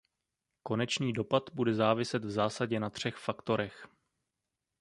Konečný dopad bude záviset v zásadě na třech faktorech.